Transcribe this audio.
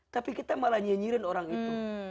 tapi kita malah nyinyirin orang itu